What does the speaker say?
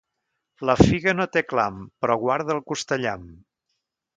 La figa no té clam, però guarda el costellam.